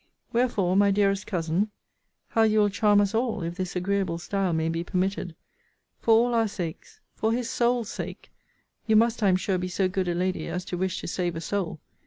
Wherefore, my dearest cousin, [how you will charm us all, if this agreeable style may be permitted!] for all our sakes, for his soul's sake, [you must, I am sure, be so good a lady, as to wish to save a soul!